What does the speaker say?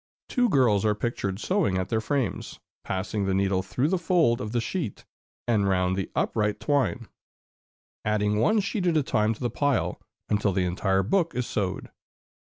Two girls are pictured sewing at their frames, passing the needle through the fold of the sheet and round the upright twine, adding one sheet at a time to the pile, until the entire book is sewed.